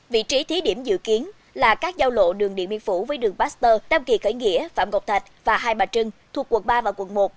vị trí thí điểm dự kiến là các giao lộ đường điện biên phủ với đường baxter đam kỳ khởi nghĩa phạm ngọc thạch và hai bà trưng thuộc quận ba và quận một